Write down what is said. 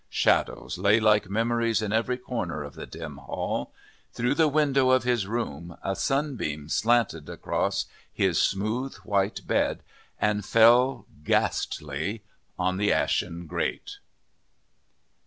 Shadows lay like memories in every corner of the dim hall. Through the window of his room, a sunbeam slanted across his smooth white bed, and fell ghastly on the ashen grate.